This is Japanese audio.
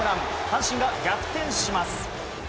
阪神が逆転します。